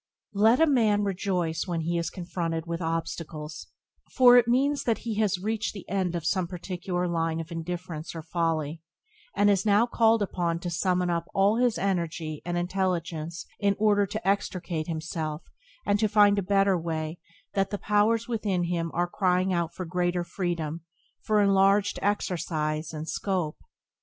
Let a man rejoice when he is confronted with obstacles, for it means that he has reached the end of some particular line of indifference or folly, and is now called upon to summon up all his energy and intelligence in order to extricate himself, and to find a better way; that the powers within him are crying out for greater freedom, for enlarged exercise and scope.